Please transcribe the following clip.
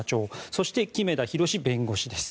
そして、木目田裕弁護士です。